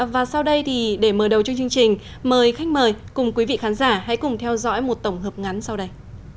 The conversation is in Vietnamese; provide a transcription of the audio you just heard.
và sau đây để mở đầu cho chương trình mời khách mời cùng quý vị khán giả hãy cùng theo dõi một tổng hợp ngắn sau đây